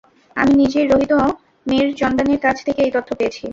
আমি নিজেই রোহিত মীরচন্দানির কাছ থেকে এই তথ্য পেয়েছি।